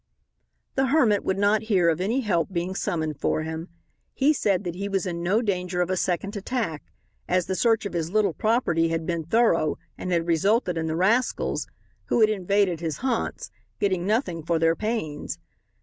The hermit would not hear of any help being summoned for him. He said that he was in no danger of a second attack, as the search of his little property had been thorough and had resulted in the rascals, who had invaded his haunts, getting nothing for their pains.